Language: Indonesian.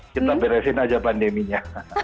kita beresin saja pandeminya